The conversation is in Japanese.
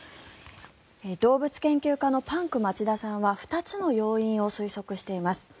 動物研究家のパンク町田さんは２つの要因を推測しています。